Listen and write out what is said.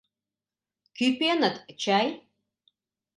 — Кӱпеныт чай?